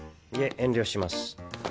いえ遠慮します。